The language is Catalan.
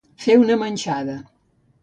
Fer una manxada.